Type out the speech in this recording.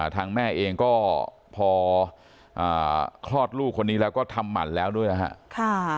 ทางแม่เองก็พอคลอดลูกคนนี้แล้วก็ทำหมั่นแล้วด้วยนะครับ